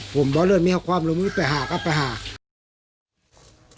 ผมบอกเลือดไม่พอแต่ช่วยไปหากะไปหาก